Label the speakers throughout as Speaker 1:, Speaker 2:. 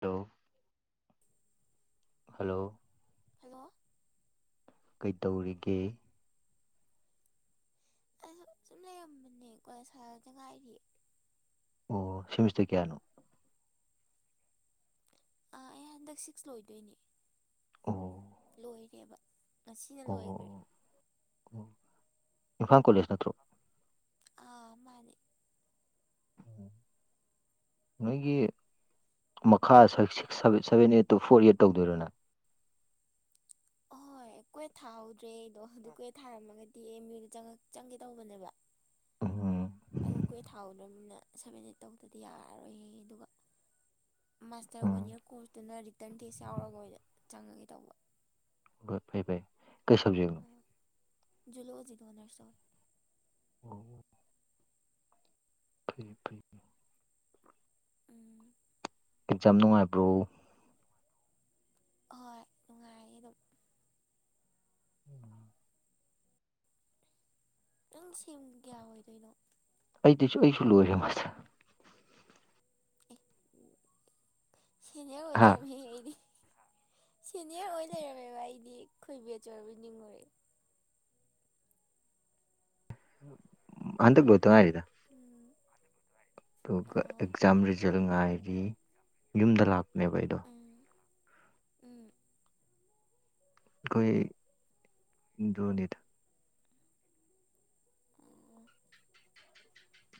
Speaker 1: Hello hello
Speaker 2: hello
Speaker 1: ꯀꯩꯇꯧꯔꯤꯒꯦ
Speaker 2: ꯑꯩ ꯁꯨꯝ ꯂꯩꯔꯝꯕꯅꯦꯀꯣ ꯀꯣꯂꯤꯁ ꯍꯂꯛꯇ ꯉꯥꯏꯔꯤ
Speaker 1: ꯑꯣ ꯁꯤꯃꯤꯁꯇ ꯀꯌꯥꯅꯣ
Speaker 2: ꯑꯥ ꯑꯩ ꯍꯟꯗꯛ ꯁꯤꯛꯁ ꯂꯣꯏꯗꯣꯏꯅꯦ
Speaker 1: ꯑꯣ
Speaker 2: ꯂꯣꯏꯔꯦꯕ ꯉꯁꯤꯅ ꯂꯣꯏꯈ꯭ꯔꯦ
Speaker 1: ꯑꯣ ꯑꯣ ꯏꯝꯐꯥꯜ ꯀꯣꯂꯦꯖ ꯅꯠꯇ꯭ꯔꯣ
Speaker 2: ꯑ ꯃꯥꯅꯦ
Speaker 1: ꯎ ꯅꯣꯏꯒꯤ ꯃꯈꯥꯥꯁ six seven seven eight two four eight ꯇꯧꯗꯣꯏꯔꯅ
Speaker 2: ꯑꯍꯣꯏ ꯀꯣꯏꯦꯠ ꯊꯥꯍꯧꯗ꯭ꯔꯦ ꯑꯩꯗꯣ ꯑꯗꯨ ꯀꯣꯏꯠ ꯊꯥꯔꯝꯃꯒꯗꯤ ꯑꯦ ꯃꯤꯗ ꯆꯪꯒꯦ ꯇꯧꯕꯅꯦꯕ
Speaker 1: ꯎꯝ
Speaker 2: ꯑꯗꯨ ꯀꯨꯏ ꯊꯥꯎꯗꯃꯤꯅ ꯁꯚꯦꯟ ꯑꯦꯠ ꯇꯧꯗꯗꯤ ꯌꯥꯔꯔꯣꯏꯍ ꯑꯗꯨꯒ ꯃꯥꯁꯇꯔ ꯋꯥꯟ
Speaker 1: ꯎꯝ
Speaker 2: ꯏꯔ ꯀꯣꯔꯁꯇꯨꯅ ꯇꯔꯟ ꯇꯦꯖ ꯌꯥꯎꯔꯒ ꯃꯣꯏꯗ ꯆꯪꯉꯒꯦ ꯇꯧꯕ
Speaker 1: ꯀꯩ ꯁꯥꯞꯖꯦꯠꯅꯣ
Speaker 2: ꯖꯧꯂꯣꯖꯤꯗ ꯑꯣꯅꯔ ꯇꯧꯋꯦ
Speaker 1: ꯑꯣ ꯐ ꯐ [inaudible]
Speaker 2: ꯎꯝ
Speaker 1: ꯑꯦ ꯌꯥꯝ ꯅꯨꯡꯉꯥꯏꯕ꯭ꯔꯣ
Speaker 2: ꯍꯣꯏ ꯅꯨꯡꯉꯥꯏꯌꯦ ꯑꯗꯨꯝ
Speaker 1: ꯎꯝ
Speaker 2: ꯅꯪ ꯁꯦꯝ ꯀꯌꯥ ꯑꯣꯏꯗꯣꯏꯅꯣ
Speaker 1: ꯑꯩꯁꯨ ꯑꯩꯁꯨ ꯂꯨꯔꯦ ꯃꯥꯁꯇꯔ
Speaker 2: ꯑꯦ
Speaker 1: ꯍꯥ
Speaker 2: ꯁꯤꯅꯦꯔꯋꯥꯔ ꯑꯣꯢꯔꯝꯃꯦꯍꯦ ꯑꯩꯗꯤ ꯁꯤꯅꯤꯌꯔ ꯑꯣꯏꯅ ꯂꯩꯔꯝꯃꯦꯕ ꯑꯩꯗꯤ ꯈꯣꯏꯕꯦ ꯆ ꯑꯣꯏꯔꯕ ꯅꯤꯡꯉꯨꯔꯦ
Speaker 1: ꯍꯥꯟꯗꯛ ꯂꯣꯢꯗ ꯍꯤꯢꯔꯤꯗ
Speaker 2: ꯎꯝ
Speaker 1: ꯑꯗꯨꯒ
Speaker 2: ꯑꯣ
Speaker 1: ꯑꯦꯛꯖꯥꯝ ꯔꯤꯖꯜ ꯉꯥꯏꯔꯤ ꯌꯨꯝꯗ ꯂꯥꯛꯄꯅꯦꯕ ꯑꯩꯗꯣ
Speaker 2: ꯎꯝ ꯎꯝ
Speaker 1: ꯑꯩꯈꯣꯢ ꯑꯗꯨꯅꯤꯗ
Speaker 2: ꯑꯣ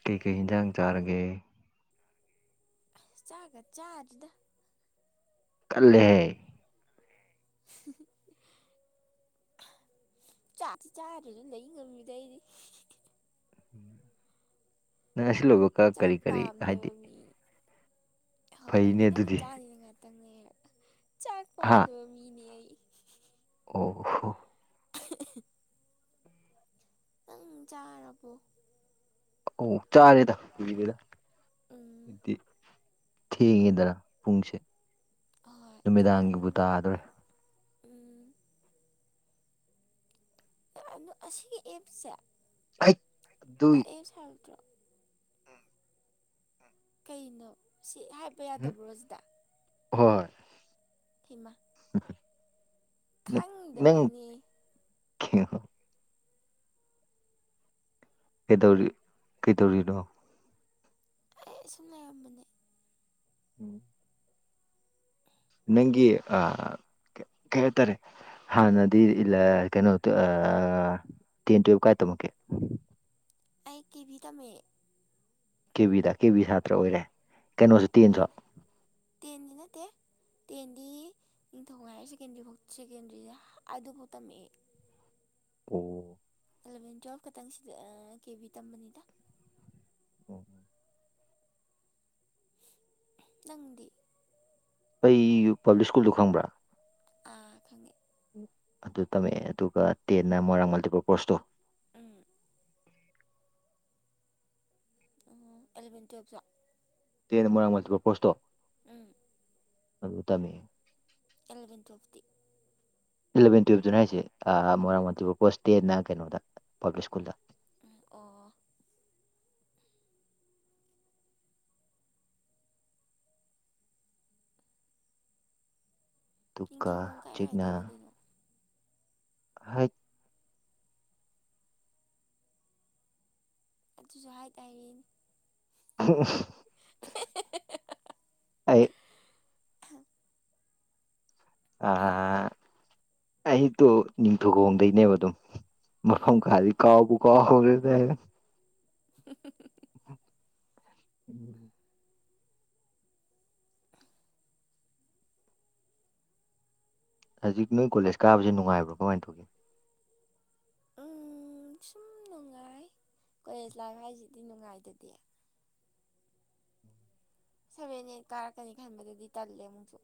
Speaker 1: ꯀꯩꯀꯩ ꯍꯟꯖꯥꯡ ꯆꯥꯔꯒꯦ
Speaker 2: ꯑꯁ ꯆꯥꯒ ꯆꯥꯔꯤꯗ
Speaker 1: ꯀꯜꯂꯦꯍꯦ
Speaker 2: [inaudible] ꯆꯥꯛ ꯆꯥꯔ ꯑꯗꯨ ꯂꯩ ꯉꯝꯃꯤꯗ ꯑꯩꯗꯤ
Speaker 1: ꯅ ꯁꯤ [inaudible]
Speaker 2: ꯆꯥꯛ ꯄꯥꯝꯗꯕ ꯃꯤ ꯍꯣꯏ
Speaker 1: ꯐꯩꯅꯦ ꯑꯗꯨꯗꯤ
Speaker 2: ꯑꯗꯨꯕꯨꯖꯥꯅꯤꯅ ꯉꯥꯛꯇꯪꯅꯦ ꯆꯥꯛ
Speaker 1: ꯍꯥ
Speaker 2: ꯄꯥꯝꯗꯕ ꯃꯤꯅꯦ ꯑꯩ
Speaker 1: ꯑꯣ ꯑꯣ
Speaker 2: ꯅꯪ ꯆꯥꯔꯕꯣ
Speaker 1: ꯑꯣ ꯆꯥꯔꯦꯗ ꯀꯨꯢꯔꯦꯗ
Speaker 2: ꯎꯝ
Speaker 1: ꯊꯦꯡꯉꯤꯗꯅ ꯄꯨꯡꯁꯦ
Speaker 2: ꯍꯣꯏ
Speaker 1: ꯅꯨꯃꯤꯗꯥꯡꯒꯤꯕꯨ
Speaker 2: ꯆꯥꯔꯗꯝꯅꯤ
Speaker 1: ꯇꯥꯗ꯭ꯔꯦ
Speaker 2: ꯎꯝ ꯑꯣ ꯑꯁꯤꯒꯤ ꯑꯦꯞꯁꯦ
Speaker 1: ꯑꯩ ꯑꯗꯨꯏ
Speaker 2: ꯑꯦꯞꯁ ꯍꯥꯏꯗ꯭ꯔꯣ ꯀꯩꯅꯣ ꯁꯤ ꯍꯥꯏꯕ
Speaker 1: ꯎꯝ
Speaker 2: ꯌꯥꯗꯕ꯭ꯔꯣ ꯁꯤꯗ
Speaker 1: ꯍꯣꯏ
Speaker 2: ꯍꯩꯃꯥ
Speaker 1: ꯅ
Speaker 2: ꯈꯪꯗꯕꯩꯅꯦ
Speaker 1: ꯀ [inaudible] ꯀꯩꯗꯧꯔꯤ ꯀꯩꯗꯧꯔꯤꯅꯣ
Speaker 2: ꯑꯩ ꯁꯨꯝ ꯂꯩꯔꯝꯕꯅꯦ
Speaker 1: ꯎꯝ ꯅꯪꯒꯤ ꯀꯩ ꯍꯥꯏꯇꯥꯔꯦ ꯍꯥꯟꯅꯗꯤ ꯏꯂ ꯀꯩꯅꯣ ꯇꯦꯟ ꯇꯨꯌꯦꯜꯞ ꯀꯥꯏ ꯇꯝꯃꯛꯀꯦ
Speaker 2: ꯑꯩ ꯀꯤꯚꯤ ꯇꯝꯃꯦ
Speaker 1: ꯀꯦ ꯕꯤꯗ ꯀꯦ ꯕꯤ ꯁꯥꯇ꯭ꯔ ꯑꯣꯏꯔꯦ
Speaker 2: ꯍꯣꯏ
Speaker 1: ꯀꯩꯅꯣꯁꯨ ꯇꯦꯟꯁꯨ
Speaker 2: ꯃꯥꯅꯦ ꯇꯦꯟꯒꯤꯅꯦꯠꯇ ꯇꯦꯟꯗꯤ ꯅꯤꯡꯊꯧ ꯍꯥꯏꯌꯔ ꯁꯦꯗꯔꯤ ꯐꯥꯎ ꯁꯦꯀꯦꯟꯗ꯭ꯔꯤꯗ ꯑꯗꯨꯐꯥꯎ ꯇꯝꯃꯛꯑꯦ
Speaker 1: ꯑꯣ
Speaker 2: ꯑꯦꯂꯕꯦꯟ ꯇꯨꯌꯦꯦꯜꯐ ꯈꯛꯇꯪ ꯁꯤꯗ ꯀꯦ ꯕꯤ ꯇꯝꯕꯅꯤꯗ
Speaker 1: ꯎꯝꯝ
Speaker 2: ꯅꯪꯗꯤ
Speaker 1: ꯑꯩ ꯄꯥꯕ꯭ꯂꯤꯛ ꯁ꯭ꯀꯨꯜꯗꯨꯣ ꯈꯪꯕ꯭ꯔꯥ
Speaker 2: ꯑꯥ ꯈꯪꯉꯦ
Speaker 1: ꯑꯗꯨ ꯇꯝꯃꯛꯑꯦ ꯑꯗꯨꯒ ꯇꯦꯟꯅ ꯃꯣꯏꯔꯥꯡ ꯃꯜꯇꯤꯄꯔ ꯀꯣꯔꯣꯁꯇꯣ
Speaker 2: ꯎꯝ ꯎꯝ ꯑꯦꯂꯚꯦꯟ ꯇꯋꯦꯜ
Speaker 1: ꯇꯦꯟꯅ ꯃꯣꯏꯔꯥꯡ ꯃꯕ ꯄꯣꯁꯇꯣ
Speaker 2: ꯎꯝ
Speaker 1: ꯑꯗꯨ ꯇꯃꯦ
Speaker 2: ꯑꯦꯂꯕꯦꯟ ꯇ꯭ꯋꯦꯜꯇꯤ
Speaker 1: ꯏꯂꯕꯦꯟ ꯇꯨꯌꯦꯜꯞꯇꯨꯅ ꯍꯥꯏꯁꯦ ꯃꯣꯏꯔꯥꯡ ꯃꯥꯟꯇꯤꯄꯨꯔ ꯄꯣꯁ ꯇꯦꯟꯅ ꯀꯩꯅꯣꯗ ꯄꯥꯕ꯭ꯂꯤꯛ ꯁ꯭ꯀꯨꯜꯗ
Speaker 2: ꯎꯝ ꯑꯣ
Speaker 1: ꯑꯗꯨꯒ
Speaker 2: ꯅꯤꯡꯊꯧꯒꯐꯝ ꯀꯥꯏ
Speaker 1: ꯍꯧꯖꯤꯛꯅ
Speaker 2: ꯀꯥꯏꯗ ꯑꯣꯏꯗꯣꯏꯅꯣ
Speaker 1: ꯍꯥꯠ [inaudible]
Speaker 2: ꯑꯗꯨꯁꯨ ꯍꯥꯏꯇꯥꯔꯦꯅꯦ
Speaker 1: ꯎ [inaudible]
Speaker 2: [inaudible]
Speaker 1: ꯑꯩ ꯑꯩꯗꯣ ꯅꯤꯡꯊꯧꯈꯣꯡꯗꯩꯅꯦꯕ ꯑꯗꯨꯝ ꯃꯐꯝ
Speaker 2: ꯎꯝ
Speaker 1: ꯀꯗꯤ ꯀꯥꯎꯕꯨ ꯀꯥꯎꯔꯦꯗ
Speaker 2: ꯍ [inaudible]
Speaker 1: ꯎꯝ
Speaker 2: [unintelligible]
Speaker 1: ꯍꯧꯖꯤꯛ ꯅꯣꯏ ꯀꯣꯂꯦꯖ ꯀꯥꯕꯁꯤ ꯉꯥꯏꯕ꯭ꯔꯣ ꯀꯃꯥꯏꯅ ꯇꯧꯒꯦ
Speaker 2: ꯎ ꯁꯨꯝ ꯅꯨꯡꯉꯥꯏ ꯀꯣꯂꯦꯖ ꯂꯥꯏꯐ ꯍꯥꯏꯁꯤꯗꯤ ꯅꯨꯡꯉꯥꯏꯗꯗꯤ ꯁꯚꯦꯟ ꯑꯩꯠ ꯀꯥꯔꯛꯀꯅꯤ ꯈꯟꯕꯗꯗꯤ ꯇꯜꯂꯦ ꯑꯃꯨꯛꯁꯨ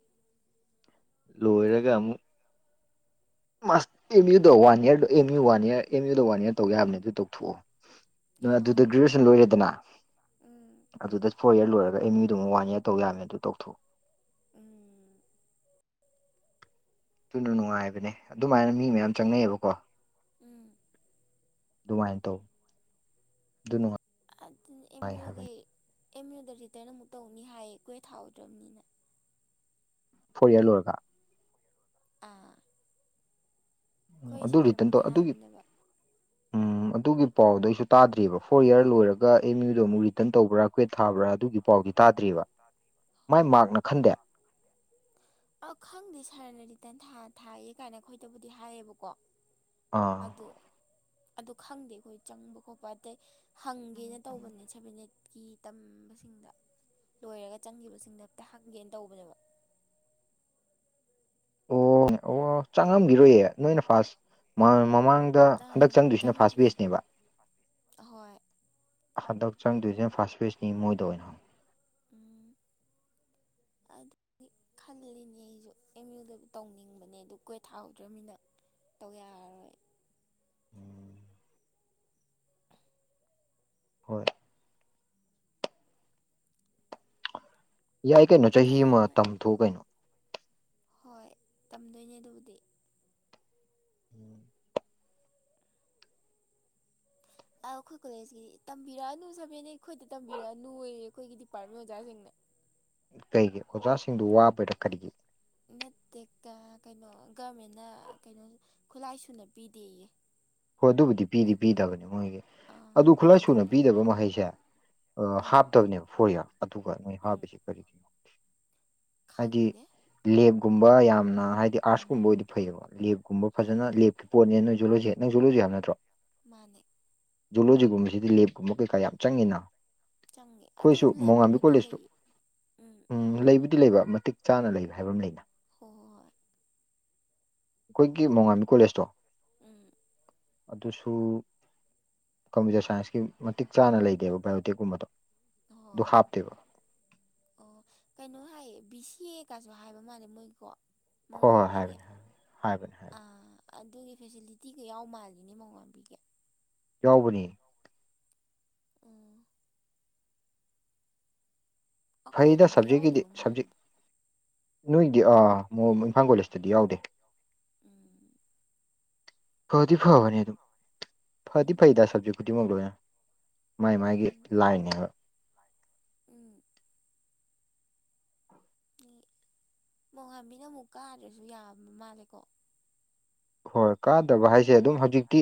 Speaker 1: ꯂꯣꯏꯔꯒ ꯑꯃꯨꯛ ꯃꯥ ꯑꯦꯝ ꯌꯨꯗ ꯋꯥꯟꯔ ꯑꯦꯝꯨ ꯋꯥꯟꯔ ꯑꯦꯝ ꯌꯨꯗ ꯋꯥꯟ ꯏꯔ ꯇꯧꯒꯦ ꯍꯥꯏꯕꯅꯦ ꯑꯗꯨ ꯇꯧꯊꯣꯛꯑꯣ ꯅꯣꯏ ꯑꯗꯨꯗ
Speaker 2: ꯍꯣꯏ
Speaker 1: ꯒ꯭ꯔꯦꯖꯨꯑꯦꯁꯟ ꯂꯣꯏꯔꯦꯗꯅ
Speaker 2: ꯎꯝ
Speaker 1: ꯑꯗꯨꯗ ꯐꯣꯔ ꯏꯌꯥꯔ ꯂꯣꯏꯔꯒ ꯑꯦꯝ ꯏꯗꯨꯃ ꯋꯥꯟ ꯏꯌꯥꯔ ꯇꯧ ꯌꯥꯃꯦ ꯑꯗꯨ ꯇꯧꯊꯣꯛꯑꯣ
Speaker 2: ꯎꯝ
Speaker 1: ꯑꯗꯨꯨꯅ ꯅꯨꯡꯉꯥꯏꯕꯅꯦ ꯑꯗꯨꯃꯥꯏꯅ ꯃꯤ ꯃꯌꯥꯝ ꯆꯪꯅꯩꯌꯦꯕꯀꯣ
Speaker 2: ꯎꯝ
Speaker 1: ꯑꯗꯨꯃꯥꯏꯅ ꯇꯧ ꯑꯗꯨ ꯅꯨꯡꯉꯥꯏ
Speaker 2: ꯑꯗꯨꯅ ꯑꯦꯝ
Speaker 1: ꯍꯥꯏꯕꯅꯤ
Speaker 2: ꯌꯨꯒꯤ ꯑꯦꯝ ꯌꯨꯗ ꯔꯤꯇꯔꯟ ꯑꯃꯨꯛ ꯇꯧꯅꯤ ꯍꯥꯏ ꯀꯣꯏ ꯊꯥꯎꯍꯗ꯭ꯔꯕꯅꯤꯅ
Speaker 1: ꯐꯣꯔ ꯏꯌꯥꯔ ꯂꯣꯏꯔꯒ
Speaker 2: ꯑꯥ
Speaker 1: ꯎ
Speaker 2: ꯑꯩꯈꯣꯏ
Speaker 1: ꯑꯗꯨ
Speaker 2: ꯁꯥꯔ
Speaker 1: ꯔꯤꯇꯟ
Speaker 2: ꯑꯃꯅ
Speaker 1: ꯇꯧ ꯑꯗꯨꯒꯤ
Speaker 2: ꯍꯥꯏꯕꯅꯦꯕ
Speaker 1: ꯎꯝ ꯑꯗꯨꯒꯤ ꯄꯥꯎꯗ ꯑꯩꯁꯨ ꯇꯥꯗ꯭ꯔꯤꯕ ꯐꯣꯔ ꯌꯌꯥꯔ ꯂꯣꯏꯔꯒ ꯑꯦꯝ ꯌꯨꯗꯣ ꯑꯃꯨꯛ ꯔꯤꯇꯔꯟ ꯇꯧꯕ꯭ꯔꯥ ꯀ꯭ꯋꯦꯠ ꯊꯥꯕ꯭ꯔꯥ ꯑꯗꯨꯒꯤ ꯄꯥꯎꯗꯤ ꯇꯥꯗ꯭ꯔꯤꯕꯕ ꯃꯥꯏ
Speaker 2: ꯍꯣꯏ
Speaker 1: ꯃꯥꯛꯅ ꯈꯟꯗꯦ
Speaker 2: ꯑ ꯈꯪꯗꯦ ꯁꯥꯔꯅ ꯔꯤꯇꯟ ꯊꯥꯏꯌꯦ ꯀꯥꯏꯅ ꯑꯩꯈꯣꯏꯗꯕꯨꯗꯤ ꯍꯥꯏꯌꯦꯕꯀꯣ
Speaker 1: ꯑꯥ
Speaker 2: ꯑꯗꯣ ꯑꯗꯨ ꯈꯪꯗꯦ ꯑꯩꯈꯣꯏ ꯆꯪꯕ ꯈꯣꯠꯄ ꯑꯇꯩ ꯍꯪꯒꯦꯅ ꯇꯧꯕꯅꯦ ꯁꯦꯚꯦꯟꯠꯀꯤ ꯇꯝꯕꯁꯤꯡꯗ ꯂꯣꯏꯔꯒ ꯆꯪꯈꯤꯕꯁꯤꯡꯗ ꯍꯦꯛꯇ ꯍꯪꯒꯦꯅ ꯇꯧꯕꯅꯦꯕ
Speaker 1: ꯑꯣ ꯑꯣ ꯆꯪꯉꯝꯈꯤꯔꯣꯏꯌꯦ ꯅꯣꯏꯅ ꯐꯥꯔꯁ ꯃꯃꯥꯡ ꯍ ꯗ
Speaker 2: ꯑꯥ
Speaker 1: ꯍꯟꯗꯛ ꯆꯪꯗꯣꯏꯁꯤꯅ ꯐꯥꯁ ꯕꯦꯁꯅꯦꯕ
Speaker 2: ꯍꯣꯏ
Speaker 1: ꯍꯟꯗꯛ ꯆꯪꯗꯣꯏꯁꯤꯅ ꯐꯔꯥꯁ ꯐꯋꯦꯁꯀꯤ ꯃꯣꯏꯗ ꯑꯣꯏꯅ ꯍꯪꯉ
Speaker 2: ꯎꯝ ꯑꯗꯨꯗꯒꯤ ꯈꯜꯂꯤꯅꯦ ꯑꯩꯁꯨ ꯑꯦꯝ ꯌꯨꯗꯕꯨ ꯇꯧꯅꯤꯡꯕꯅꯦ ꯑꯗꯨ ꯀꯣꯏ ꯊꯥꯍꯧꯗ꯭ꯔꯕꯃꯤꯅ ꯇꯧ ꯌꯥꯔꯔꯣꯏ
Speaker 1: [unintelligible] ꯍꯣꯏ ꯌꯥꯏ ꯀꯥꯏ ꯅꯣ
Speaker 2: ꯀꯩꯅꯦ ꯍꯣꯏ ꯇꯝꯗꯣꯏꯅꯦ ꯑꯗꯨꯕꯨꯗꯤ
Speaker 1: ꯎꯝ [inaudible]
Speaker 2: ꯑ ꯑꯩꯈꯣꯏ ꯀꯣꯂꯦꯖꯀꯤ ꯇꯝꯕꯤꯔꯛꯑꯅꯨ ꯁꯕꯦꯟ ꯑꯩꯈꯣꯏꯗ ꯇꯝꯕꯤꯔꯛꯑꯅꯨꯌꯦ ꯑꯩꯈꯣꯏꯒꯤ ꯗꯤꯄꯥꯔꯠꯃꯦꯟ ꯑꯣꯖꯥꯁꯤꯡꯅ
Speaker 1: ꯀꯩꯒꯤ ꯑꯣꯖꯥꯁꯤꯡꯗꯨ ꯋꯥꯕ
Speaker 2: ꯅꯠꯇꯦꯀ ꯀꯩꯅꯣ ꯒꯚꯃꯦꯟꯅ ꯀꯩꯅꯣ ꯈꯨꯠꯂꯥꯏꯁꯨꯨꯅ ꯄꯤꯗꯦꯌꯦ
Speaker 1: ꯍꯣꯏ ꯑꯗꯨꯕꯨꯗꯤ ꯄꯤꯗꯤ ꯄꯤꯗꯕꯅꯦ ꯃꯣꯏꯒꯤ
Speaker 2: ꯑꯥ
Speaker 1: ꯑꯗꯨ ꯈꯨꯠꯂꯥꯏ ꯁꯨꯅ
Speaker 2: ꯑꯗꯨꯗꯨꯒꯤ
Speaker 1: ꯄꯤꯗꯕ ꯍꯩꯁꯦ
Speaker 2: ꯎꯝ
Speaker 1: ꯍꯥꯞꯇꯕꯅꯦꯕ ꯐꯣꯔ ꯏꯌꯥꯔ ꯑꯗꯨꯒ ꯅꯣꯏ
Speaker 2: ꯎꯝ
Speaker 1: ꯍꯥꯞꯁ ꯀꯔꯤꯒꯤꯅꯣ
Speaker 2: ꯈꯪꯗꯦ
Speaker 1: ꯂꯦꯞꯒꯨꯝꯕ ꯌꯥꯝꯅ ꯍꯥꯏꯗꯤ ꯑꯥꯔꯠꯁꯀꯨꯝꯕꯗꯤ ꯐꯩꯌꯦꯕ ꯂꯦꯞꯀꯨꯝꯕ
Speaker 2: ꯍꯣꯏ
Speaker 1: ꯐꯖꯅ ꯂꯦꯞꯀꯤ ꯄꯣꯠꯅꯦ ꯅꯣꯏꯨꯠꯂꯨꯁꯦ ꯅꯪꯁꯨꯠꯂꯨꯁꯤ ꯌꯥꯕ ꯅꯠꯇ꯭ꯔꯣ
Speaker 2: ꯃꯥꯅꯦ
Speaker 1: ꯖꯨꯂꯣꯖꯤꯒꯨꯝꯕꯁꯤꯗꯤ ꯂꯦꯞꯀꯨꯝꯕ ꯀꯩꯀꯥ ꯌꯥꯝ ꯆꯪꯉꯤꯅ
Speaker 2: ꯆꯪꯉꯦ ꯑꯗꯨ
Speaker 1: ꯑꯩꯈꯣꯏꯁꯨ ꯃꯣꯡꯉꯥꯝꯕꯤ
Speaker 2: ꯂꯩꯕꯕꯨꯗꯤ ꯂꯩꯌꯦ ꯎꯝ
Speaker 1: ꯤ ꯂꯩꯕ ꯃꯇꯤꯛ ꯆꯥꯅ ꯂꯩꯕ ꯍꯥꯏꯕ ꯑꯃ ꯂꯩꯅ
Speaker 2: ꯍꯣꯏ ꯍꯣꯏ ꯍꯣꯏ
Speaker 1: ꯑꯩꯈꯣꯏꯒꯤ ꯃꯣꯡꯉꯥꯃꯤ ꯀꯣꯂꯦꯖꯇꯣ
Speaker 2: ꯎꯝ
Speaker 1: ꯑꯗꯨꯁꯨ ꯀꯝꯄ꯭ꯌꯨꯇꯔ ꯁꯥꯏꯟꯁꯀꯤ ꯃꯇꯤꯛ ꯆꯥꯅ ꯂꯩꯗꯦꯕ ꯕꯥꯏꯑꯣꯇꯦꯛꯀꯨꯝꯕꯗꯣ
Speaker 2: ꯍꯣꯏ
Speaker 1: ꯑꯗꯨ
Speaker 2: ꯍꯣꯏ
Speaker 1: ꯍꯥꯞꯇꯦꯕ
Speaker 2: ꯑꯣ ꯀꯩꯅꯣ ꯍꯥꯏꯌꯦ ꯕꯤ ꯁꯤ ꯑꯦꯒꯁꯨ ꯍꯥꯏꯕ ꯃꯥꯜꯂꯦ ꯃꯣꯏꯀꯣ ꯃꯃꯣꯟ
Speaker 1: ꯍꯣꯏ ꯍꯣꯏ
Speaker 2: ꯉꯝꯕꯤꯒꯦ
Speaker 1: ꯍꯥꯏꯕꯅꯦ ꯍꯥꯏꯕꯅꯦ ꯍꯥꯏꯕꯅꯦ
Speaker 2: ꯑꯥ ꯑꯗꯨꯒꯤ ꯐꯦꯁꯤꯂꯤꯇꯤꯒ ꯌꯥꯎ ꯃꯥꯜꯂꯤꯅꯦ ꯃꯃꯣꯟ ꯉꯝꯕꯤꯒꯦ
Speaker 1: ꯌꯥꯎꯕꯅꯤ
Speaker 2: ꯑꯣ
Speaker 1: ꯐꯩꯗ
Speaker 2: ꯑꯩꯈꯣꯏꯒꯤꯗꯤ
Speaker 1: ꯁꯕꯖꯦꯛꯀꯤꯗꯤ
Speaker 2: ꯌꯥꯎꯗꯕ
Speaker 1: ꯁꯕꯖꯦꯛ
Speaker 2: ꯃꯥꯟꯕ
Speaker 1: ꯅꯣꯏꯗꯤ ꯑꯥ ꯃꯣꯏ ꯏꯝꯐꯥꯜ ꯀꯣꯂꯦꯖꯇꯗꯤ ꯌꯥꯎꯗꯦ
Speaker 2: ꯎꯝ
Speaker 1: ꯄꯣꯗꯤꯐꯥꯎꯕꯅꯤ ꯑꯗꯨꯝ ꯐꯗꯤ
Speaker 2: ꯎꯝ
Speaker 1: ꯐꯩꯗ ꯁꯞꯖꯦꯛ ꯈꯨꯗꯤꯡꯃꯛ ꯂꯣꯏꯅ ꯃꯥꯏ ꯃꯥꯏꯒꯤ
Speaker 2: ꯎꯝ
Speaker 1: ꯂꯥꯏꯅꯦꯕ
Speaker 2: ꯎꯝ ꯃꯣꯡꯉꯥꯥꯟꯝꯕꯤꯅ ꯑꯃꯨꯛ ꯀꯥꯗ꯭ꯔꯁꯨ ꯌꯥꯕ ꯃꯥꯜꯂꯦꯀꯣ
Speaker 1: ꯍꯣꯏ ꯀꯥꯗꯕ ꯍꯥꯏꯁꯦ ꯑꯗꯨꯝ ꯍꯧꯖꯤꯛꯇꯤ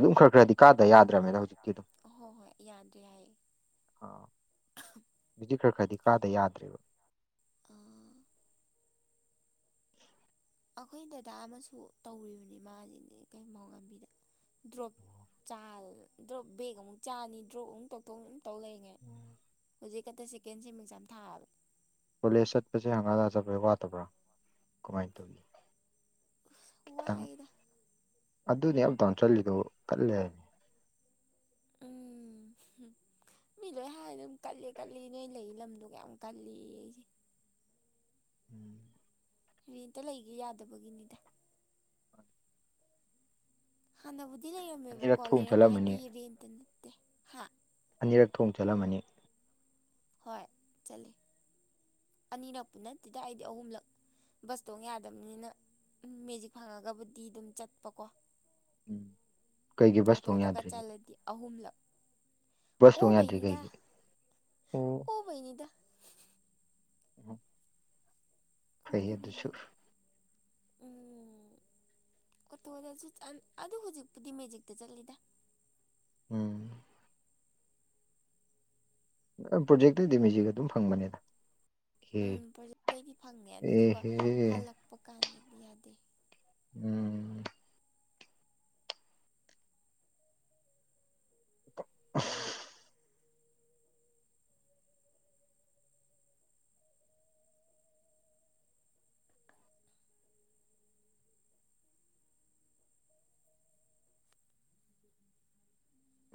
Speaker 1: ꯑꯗꯨꯝ ꯈꯔ ꯈꯔꯗꯤ ꯀꯥꯗ ꯌꯥꯗ꯭ꯔꯕꯅꯤꯅ ꯍꯧꯖꯤꯛꯇꯤ ꯑꯗꯨꯝ
Speaker 2: ꯍꯣ ꯍꯣꯏ ꯌꯥꯗ꯭ꯔꯦ ꯌꯥꯏꯌꯦ
Speaker 1: ꯈꯔ ꯈꯔꯗꯤ ꯀꯥꯗ ꯌꯥꯗ꯭ꯔꯦꯕ
Speaker 2: ꯑꯥ ꯑꯩꯈꯣꯏ ꯗꯗꯥ ꯑꯃꯁꯨ ꯇꯧꯔꯤꯕꯅꯤ ꯃꯥꯁꯤꯅꯦ ꯀꯩꯨꯝꯕꯥꯎ ꯂꯝꯕꯤꯗ ꯗ꯭ꯔꯣꯞꯥ ꯗ꯭ꯔꯣꯞ ꯕꯦꯒ ꯑꯃꯨꯛ ꯆꯥꯅꯤ ꯗ꯭ꯔꯣꯞ ꯑꯃꯨꯛ ꯇꯣꯛꯊꯣꯛꯝ ꯇꯧ ꯂꯩꯔꯤꯉꯦ ꯍꯧꯖꯤꯛꯀꯛꯇ ꯁꯦꯀꯦꯟ ꯁꯦꯃꯤꯡꯁ ꯌꯥꯝ ꯊꯥꯕ
Speaker 1: ꯀꯣꯂꯦꯖ ꯆꯠꯄꯁꯦ ꯍꯪꯒꯥꯖꯕꯩ ꯋꯥꯠꯇꯕ꯭ꯔꯥ ꯀꯃꯥꯏꯅ ꯇꯧꯋꯤ
Speaker 2: ꯋꯥꯥꯏꯗ
Speaker 1: ꯑꯗꯨꯅꯦ ꯑꯞꯗꯥꯎꯟ ꯆꯠꯂꯤꯗꯣ ꯀꯠꯂꯦ ꯍꯥꯏꯕꯅꯦ
Speaker 2: ꯎꯝ ꯃꯤ ꯂꯣꯏ ꯍꯥꯏꯔ ꯑꯗꯨꯝ ꯀꯠꯂ ꯀꯠꯂꯤ ꯅꯣꯏ ꯂꯩ ꯂꯝꯗꯣꯒ ꯌꯥꯝ ꯀꯜꯂꯤ ꯑꯩꯁꯦ
Speaker 1: ꯎꯝ
Speaker 2: ꯔꯦꯟꯇ ꯂꯩꯒꯦ ꯌꯥꯗꯕꯒꯤꯅꯤꯗ ꯍꯥꯟꯅꯕꯨꯗꯤ
Speaker 1: ꯑꯅꯤꯔꯛ
Speaker 2: ꯂꯩꯔꯝꯃꯦꯕꯀꯣ
Speaker 1: ꯊꯣꯡ
Speaker 2: ꯂꯩꯔꯝꯕ
Speaker 1: ꯆꯠꯂꯝꯃꯅꯤ
Speaker 2: ꯍꯥꯏꯗꯤ ꯔꯦꯟꯇ ꯅꯠꯇꯦ ꯍꯥ
Speaker 1: ꯑꯅꯤꯔꯛ ꯊꯣꯡ ꯆꯠꯂꯝꯃꯅꯤ
Speaker 2: ꯍꯣꯏ ꯆꯠꯂꯤ ꯑꯅꯤꯔꯛꯄꯨ ꯅꯠꯇꯦꯗ ꯑꯩꯗꯤ ꯑꯍꯨꯝꯂꯛ ꯕꯁꯇꯣ ꯌꯥꯗꯕꯅꯤꯅ ꯃꯦꯖꯤꯛ ꯐꯪꯉꯒꯕꯨꯗꯤ ꯑꯗꯨꯝ ꯆꯠꯄꯀꯣ
Speaker 1: ꯀꯩꯒꯤ ꯕꯁ ꯊꯣꯡ
Speaker 2: ꯑꯇꯣꯗꯀ
Speaker 1: ꯌꯥꯗ꯭ꯔꯤꯒꯦ
Speaker 2: ꯆꯠꯂꯗꯤ ꯑꯍꯨꯝꯂꯛ
Speaker 1: ꯕꯁ ꯊꯣꯡ ꯌꯥꯗ꯭ꯔꯤ
Speaker 2: ꯑꯣꯕꯩꯅꯤꯗ
Speaker 1: ꯀꯩꯒꯤ
Speaker 2: ꯑꯣꯕꯩꯅꯤꯗ
Speaker 1: ꯎꯝ [inaudible]
Speaker 2: ꯑꯗꯨꯒꯤꯅꯤꯗ ꯎꯝꯗꯁꯨ ꯑꯗꯨ ꯍꯧꯖꯤꯛꯄꯨꯗꯤ ꯃꯦꯖꯤꯛꯇ ꯆꯠꯂꯤꯗ
Speaker 1: ꯎꯝ ꯄ꯭ꯔꯣꯖꯦꯛꯇꯨꯗꯤ ꯃꯦꯖꯤꯛ ꯑꯗꯨꯝ ꯐꯪꯕꯅꯤꯗ ꯑꯦ
Speaker 2: ꯎꯝ ꯄ꯭ꯔꯖꯇꯩꯗꯤ ꯐꯪꯉꯦ ꯑꯗꯨꯗꯨꯒ
Speaker 1: ꯑꯦꯍꯦ
Speaker 2: ꯍꯜꯂꯛꯄ ꯀꯥꯟꯗꯗꯤ ꯌꯥꯗꯦ
Speaker 1: ꯎꯝ [unintelligible]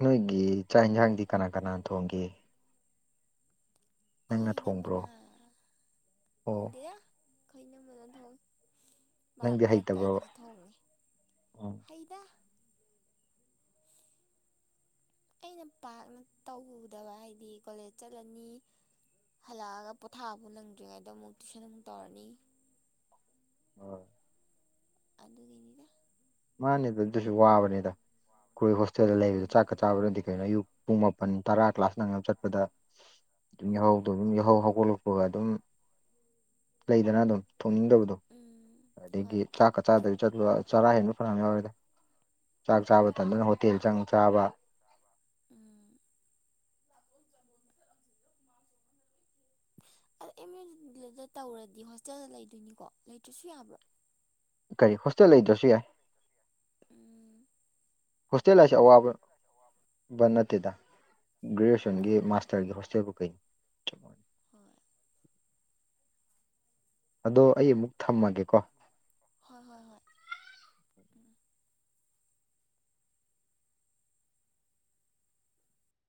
Speaker 1: ꯅꯣꯏꯒꯤ ꯆꯥꯛ ꯌꯦꯟꯁꯥꯡꯗꯤ ꯀꯅꯥ ꯀꯅꯥ ꯊꯣꯡꯒꯦ ꯅꯪꯅ
Speaker 2: ꯈꯣꯏꯅ
Speaker 1: ꯊꯣꯡꯕ꯭ꯔꯣ
Speaker 2: ꯃꯅꯥꯝꯃꯅ
Speaker 1: ꯑꯣ
Speaker 2: ꯇꯣꯡꯗꯦꯗ ꯈꯩꯅꯃꯗ ꯊꯣꯛꯏ ꯃꯔꯛ
Speaker 1: ꯅꯪꯗꯤ
Speaker 2: ꯃꯔꯛꯇ
Speaker 1: ꯍꯩꯇꯕ꯭ꯔꯣ
Speaker 2: ꯑꯩꯅꯁꯨ ꯊꯣꯡꯉꯦ
Speaker 1: ꯎꯝ
Speaker 2: ꯍꯩꯗ
Speaker 1: [unintelligible]
Speaker 2: ꯑꯩꯅ ꯄꯥꯛꯅ ꯇꯧꯗꯕ ꯍꯥꯏꯗꯤ ꯀꯣꯂꯦꯖ ꯆꯠꯂꯅꯤ ꯍꯜꯂꯛꯑꯒ ꯄꯣꯊꯥꯕꯨ ꯂꯪꯗ꯭ꯔꯤꯉꯩꯗꯣ ꯑꯃꯨꯛ ꯇꯨꯏꯁꯟ ꯑꯃꯨꯛ ꯇꯧꯔꯅꯤ
Speaker 1: ꯑꯣ
Speaker 2: ꯑꯗꯨꯒꯤꯅꯤꯗ
Speaker 1: ꯃꯥꯅꯦ ꯑꯗꯨꯗꯁꯨ ꯋꯥꯕꯅꯦꯗ ꯑꯩꯈꯣꯢ ꯍꯣꯁꯇꯦꯜꯗ
Speaker 2: ꯎꯝ
Speaker 1: ꯂꯩꯔꯖꯨ ꯆꯥꯛꯀ ꯆꯥꯕ ꯅꯠꯇꯦ ꯀꯩꯅꯣ ꯑꯌꯨꯛ ꯄꯨꯡ ꯃꯄꯟ ꯇꯔꯥ ꯀ꯭ꯂꯥꯁ ꯅꯪꯅꯕ ꯆꯠꯄꯗ ꯇꯨꯝꯌꯥꯍꯧꯗꯣ
Speaker 2: ꯎꯝ
Speaker 1: ꯑꯗꯨꯝ ꯌꯥꯍꯧ ꯍꯧꯒꯠꯂꯛꯄꯒ ꯑꯗꯨꯝ ꯂꯩꯗꯅ ꯑꯗꯨꯝ ꯊꯣꯛꯅꯤꯡꯗꯕꯗꯣ꯫
Speaker 2: ꯎꯝ
Speaker 1: ꯑꯗꯒꯤ
Speaker 2: ꯍꯣꯏ
Speaker 1: ꯆꯥꯛꯀ ꯆꯥꯗꯕꯤ ꯆꯠꯄ ꯆꯔꯥ ꯍꯦꯟꯕ ꯐꯅꯌꯥꯝ ꯌꯥꯎꯔꯦꯗ ꯆꯥꯛ ꯆꯥꯕ
Speaker 2: ꯍꯣꯏ
Speaker 1: ꯇꯟꯗꯅ ꯍꯣꯇꯦꯜ ꯆꯪ ꯆꯥꯕ
Speaker 2: ꯎꯝ 'unintelligible' [inaudible] ꯑꯗ ꯑꯦꯝ ꯌꯨꯗ 'unintelligible' ꯇꯧꯔꯗꯤ ꯍꯣꯁꯇꯦꯜꯗ ꯂꯩꯗꯣꯢꯅꯤꯀꯣ ꯂꯩꯇ꯭ꯔꯁꯨ ꯌꯥꯕ꯭ꯔꯣ꯫
Speaker 1: ꯀꯔꯤ ꯍꯣꯁꯇꯦꯜ ꯂꯩꯗ꯭ꯔꯁꯨ ꯌꯥꯏ
Speaker 2: ꯎꯝ
Speaker 1: ꯍꯣꯁꯇꯦꯜ ꯂꯁ ꯑꯋꯥꯕ ꯅꯠꯇꯗ
Speaker 2: ꯍꯣꯏ
Speaker 1: ꯭ꯔꯦꯖꯑꯌꯦꯁꯟꯒꯤꯁ ꯍꯒꯤ ꯍꯣꯁꯇꯦꯜꯕꯨ ꯀꯩꯅꯅꯤ
Speaker 2: ꯍꯣꯏ
Speaker 1: ꯑꯗꯣ ꯑꯩ ꯑꯃꯨꯛ ꯊꯝꯃꯒꯦꯀꯣ
Speaker 2: ꯍꯣꯏ ꯍꯣꯏ ꯍꯣꯏ ꯎꯝ